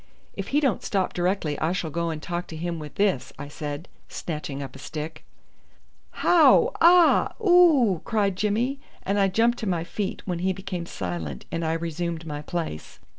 "If he don't stop directly I shall go and talk to him with this," I said, snatching up a stick. "How aw ooo!" cried Jimmy, and I jumped to my feet, when he became silent, and I resumed my place.